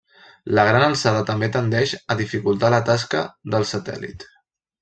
La gran alçada també tendeix a dificultar la tasca del satèl·lit.